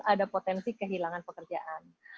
ada potensi kehilangan pekerjaan